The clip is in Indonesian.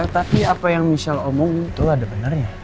tapi apa yang michelle omong itu ada benernya